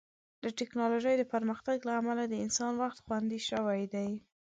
د ټیکنالوژۍ د پرمختګ له امله د انسان وخت خوندي شوی دی.